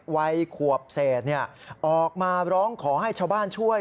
วัยขวบเศษออกมาร้องขอให้ชาวบ้านช่วย